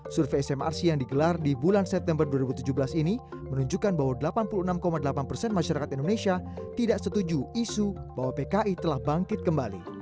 survei smrc yang digelar di bulan september dua ribu tujuh belas ini menunjukkan bahwa delapan puluh enam delapan persen masyarakat indonesia tidak setuju isu bahwa pki telah bangkit kembali